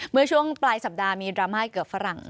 เมื่อช่วงปลายสัปดาห์มีดราม่าเกือบฝรั่ง